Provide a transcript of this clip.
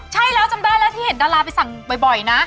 ใช่แล้วจำได้แล้วที่เห็นดาราไปสั่งบ่อยนะ